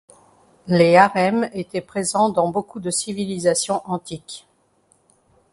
Les harems étaient présents dans beaucoup de civilisations antiques.